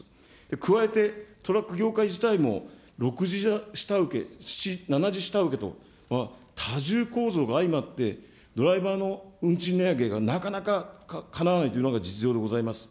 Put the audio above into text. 加えて、トラック業界自体も、６次下請け、７次下請けと、多重構造が相まって、ドライバーの運賃値上げがなかなかかなわないというのが実情でございます。